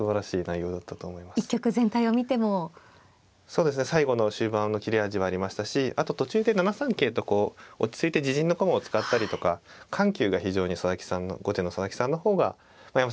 そうですね最後の終盤の切れ味はありましたしあと途中で７三桂とこう落ち着いて自陣の駒を使ったりとか緩急が非常に後手の佐々木さんの方が山崎さんより少し勝ったのかなと。